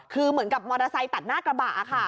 คือเหมือนกับมอเตอร์ไซค์ตัดหน้ากระบะค่ะ